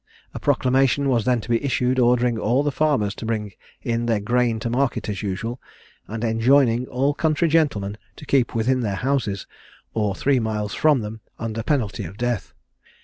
A proclamation was then to be issued, ordering all the farmers to bring in their grain to market as usual; and enjoining all country gentlemen to keep within their houses, or three miles from them, under penalty of death.